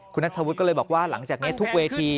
คุณนัทธวุฒิก็เลยบอกว่าหลังจากนี้ทุกเวที